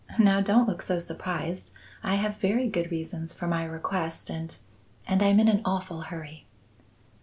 Now, don't look so surprised. I have very good reasons for my request and and I'm in an awful hurry."